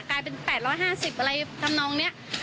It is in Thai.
กลายเป็น๘๕๐อะไรทำนองนี้